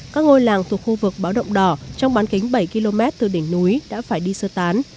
các ngôi làng thuộc khu vực báo động đỏ trong bán kính bảy km từ đỉnh núi đã phải đi sơ tán